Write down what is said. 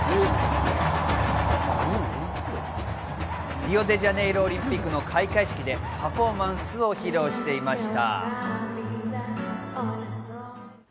リオデジャネイロオリンピックの開会式でパフォーマンスを披露していました。